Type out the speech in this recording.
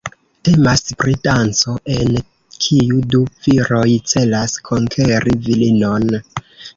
Temas pri danco en kiu du viroj celas konkeri virinon.